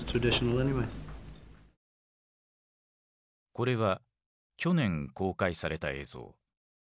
これは去年公開された映像。